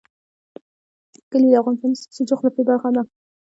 کلي د افغانستان د سیاسي جغرافیه برخه ده.